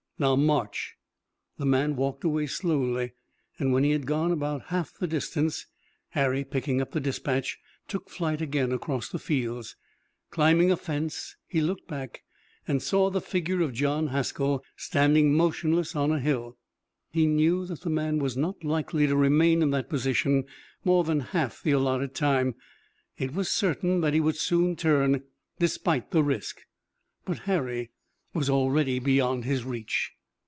Now march!" The man walked away slowly and when he had gone about half the distance Harry, picking up the dispatch, took flight again across the fields. Climbing a fence, he looked back and saw the figure of John Haskell, standing motionless on a hill. He knew that the man was not likely to remain in that position more than half the allotted time. It was certain that he would soon turn, despite the risk, but Harry was already beyond his reach.